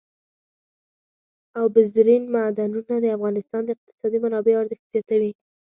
اوبزین معدنونه د افغانستان د اقتصادي منابعو ارزښت زیاتوي.